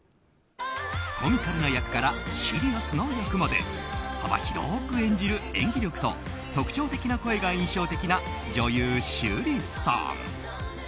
コミカルな役からシリアスな役まで幅広く演じる演技力と特徴的な声が印象的な女優・趣里さん。